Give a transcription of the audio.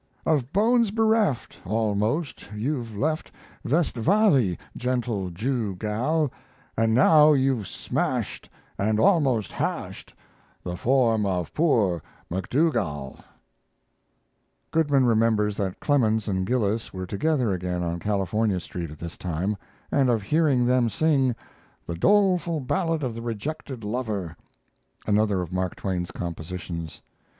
Of bones bereft, Almost, you've left Vestvali, gentle Jew gal; And now you've smashed And almost hashed The form of poor McDougall Goodman remembers that Clemens and Gillis were together again on California Street at this time, and of hearing them sing, "The Doleful Ballad of the Rejected Lover," another of Mark Twain's compositions.